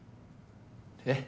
えっ？